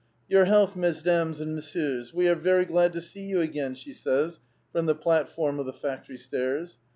*' Your health, mesdames and messieurs. We are very glad to see you again," she says from the platform of the factory stairs.